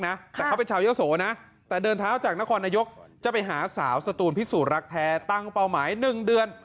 แต่เขาเป็นชาวยะโสนะแต่เดินเท้าจากนครนายกจะไปหาสาวสตูนพิสูจนรักแท้ตั้งเป้าหมาย๑เดือน